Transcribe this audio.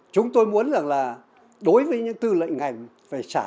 chúng tôi muốn rằng là đối với những tư lệnh ngành phải trả